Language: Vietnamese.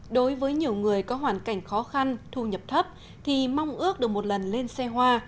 đối với nhiều người có hoàn cảnh khó khăn thu nhập thấp thì mong ước được một lần lên xe hoa